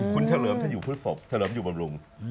คุณเฉลิมถ้าอยู่พฤศพเฉลิมอยู่บำรุง